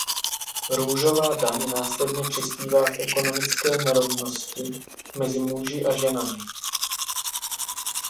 Růžová daň následně přispívá k ekonomické nerovnosti mezi muži a ženami.